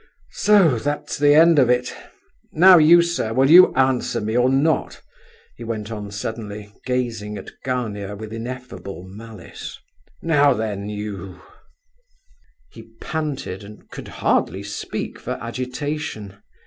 "So that's the end of it! Now you, sir, will you answer me or not?" he went on suddenly, gazing at Gania with ineffable malice. "Now then, you—" He panted, and could hardly speak for agitation.